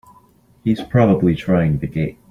He's probably trying the gate!